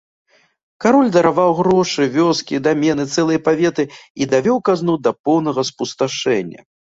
Кароль дараваў грошы, вёскі, дамены, цэлыя паветы, і давёў казну да поўнага спусташэння.